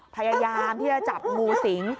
พยายามที่จะจับงูสิง